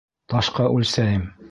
Ташҡа үлсәйем!